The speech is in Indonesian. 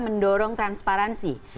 kita harus transparansi